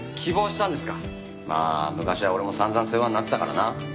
まあ昔は俺も散々世話になってたからな。